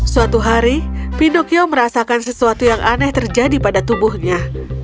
suatu hari pinocchio merasakan sesuatu yang aneh terjadi pada tubuhnya